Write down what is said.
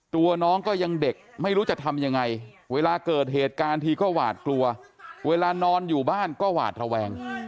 ตัวน้องก็ยังเด็กไม่รู้จะทำยังไงเวลาเกิดเหตุการณ์ทีก็หวาดกลัวเวลานอนอยู่บ้านก็หวาดระแวง